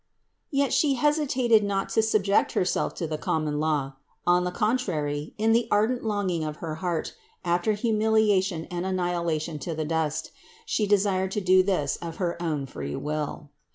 Yet She hesitated not to subject Herself to the common law; on the contrary, in the ar dent longing of her heart after humiliation and annihila tion to the dust, She desired to do this of her own free will.